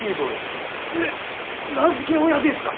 えっ名付け親ですか！？